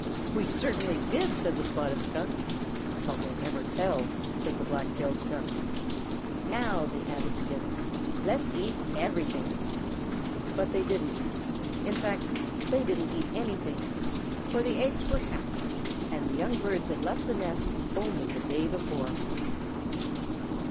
"We certainly did," said the Spotted Skunk. "But we'll never tell," said the Black tailed Skunk. "Now," they added together, "let's eat everything." But they didn't. In fact, they didn't eat anything, for the eggs were hatched, and the young birds had left the nest only the day before.